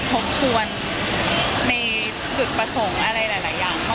ทบทวนในจุดประสงค์อะไรหลายอย่าง